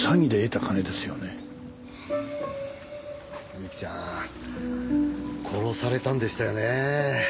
ゆきちゃん殺されたんでしたよね。